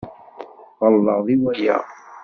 Ɣelḍeɣ deg waya?